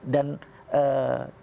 dan terorisme masuk ke tni